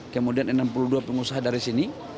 kemudian enam puluh dua pengusaha dari sini